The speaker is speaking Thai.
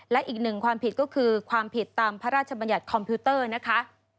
และอีกหนึ่งความผิดก็คือความผิดตามพระราชบัญญัติคอมพิวเตอร์นะคะ